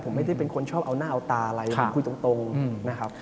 ผมไม่ได้เป็นคนชอบเอาหน้าเอาตาอะไรผมคุยตรงนะครับ